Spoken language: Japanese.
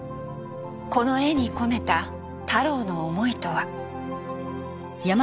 この絵に込めた太郎の思いとは。